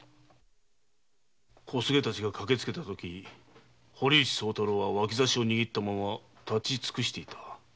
小菅たちが駆けつけた時堀内は脇差を握ったまま立ち尽くしていた。